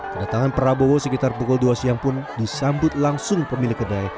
kedatangan prabowo sekitar pukul dua siang pun disambut langsung pemilik kedai